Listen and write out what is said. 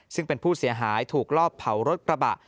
ซึ่งเป็นผู้เสียหายถูกลอบเผารถกระบะ